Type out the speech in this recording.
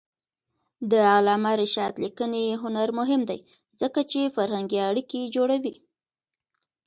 د علامه رشاد لیکنی هنر مهم دی ځکه چې فرهنګي اړیکې جوړوي.